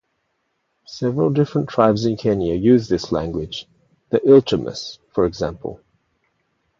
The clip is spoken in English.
Several different tribes in Kenya use this language, The Ilchamus, for example.